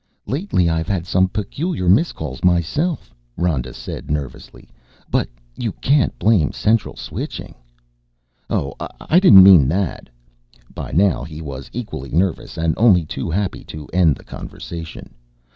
"Lately I've had some peculiar miscalls myself," Rhoda said nervously. "But you can't blame Central Switching!" "Oh, I didn't mean that!" By now he was equally nervous and only too happy to end the conversation.